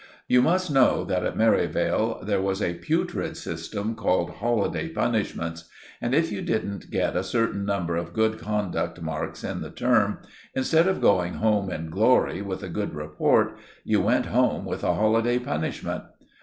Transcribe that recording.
You must know that at Merivale there was a putrid system called 'holiday punishments,' and if you didn't get a certain number of good conduct marks in the term, instead of going home in glory with a good report, you went home with a holiday punishment.